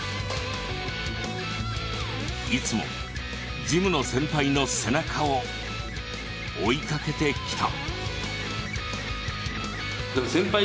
いつもジムの先輩の背中を追いかけてきた。